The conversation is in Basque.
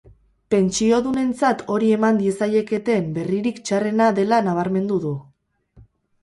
Pentsiodunentzat hori eman diezaieketen berririk txarrena dela nabarmendu du.